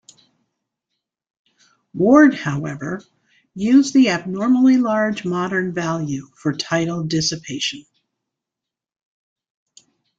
Ward, however, used the abnormally large modern value for tidal dissipation.